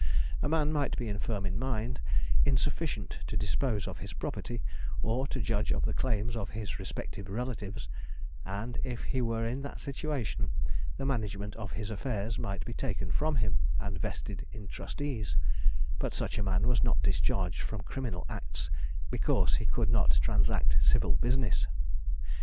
A man might be infirm in mind, insufficient to dispose of his property, or to judge of the claims of his respective relatives; and if he were in that situation, the management of his affairs might be taken from him and vested in trustees: but such a man was not discharged from criminal acts because he could not transact civil business.